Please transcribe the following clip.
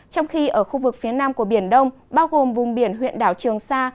trong khi ở khu vực phía nam của biển đông bao gồm vùng biển huyện đảo trường sa